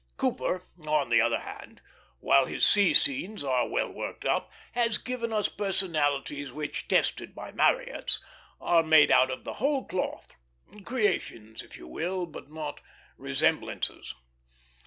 Cooper, on the other hand, while his sea scenes are well worked up, has given us personalities which, tested by Marryat's, are made out of the whole cloth; creations, if you will, but not resemblances.